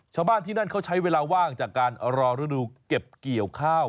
ชาวบ้านที่นั่นเขาใช้เวลาว่างจากการรอฤดูเก็บเกี่ยวข้าว